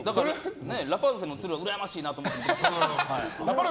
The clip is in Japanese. ラパルフェもそれはうらやましいなと思って見てましたけど。